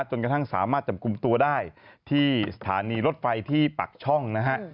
จนกระทั่งสามารถจับกลุ่มตัวได้ที่สถานีรถไฟที่ปักช่องนะฮะ